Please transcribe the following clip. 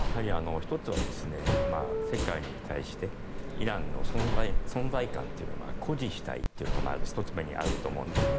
１つは、世界に対してイランの存在感というのを誇示したいというのがまず１つ目にあると思います。